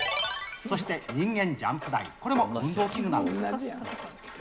そして人間ジャンプ台、これも運動器具なんですね。